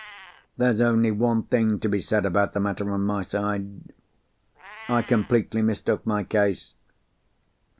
There's only one thing to be said about the matter on my side. I completely mistook my case.